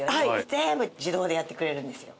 全部自動でやってくれるんですよ。